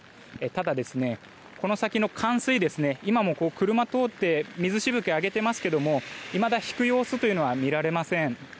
ただ、この先の冠水今も車が通って水しぶきを上げていますがいまだ引く様子は見られません。